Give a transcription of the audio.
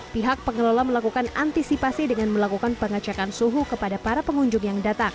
pihak pengelola melakukan antisipasi dengan melakukan pengecekan suhu kepada para pengunjung yang datang